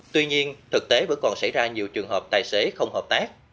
tuy nhiên thực tế vẫn còn xảy ra nhiều trường hợp tài xế không hợp tác